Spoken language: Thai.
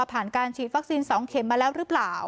ผ่านการฉีดวัคซีน๒เข็มมาแล้วหรือเปล่า